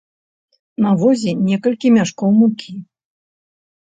На возе некалькі мяшкоў мукі.